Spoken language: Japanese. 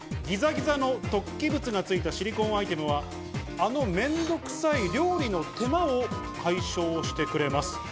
ギザギザの突起物がついたシリコーンアイテムはあの面倒くさい料理の手間を解消してくれます。